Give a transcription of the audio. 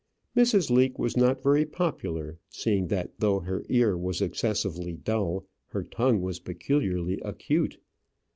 Mrs. Leake was not very popular, seeing that though her ear was excessively dull, her tongue was peculiarly acute.